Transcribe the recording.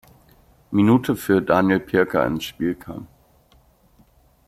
Minute für Daniel Pirker ins Spiel kam.